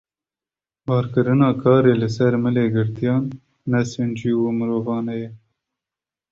Barkirina karê li ser milê girtiyan ne sincî û mirovane ye.